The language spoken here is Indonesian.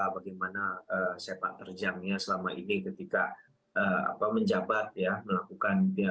bagaimana sepak terjangnya selama ini ketika menjabat melakukan pengamanan